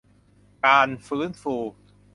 การฟื้นฟู